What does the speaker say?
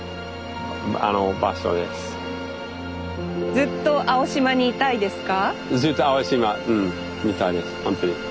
ずっと青島にいたいですか？